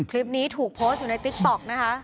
คลิปนี้ถูกโพสต์อยู่ในติ๊กต๊อกนะคะ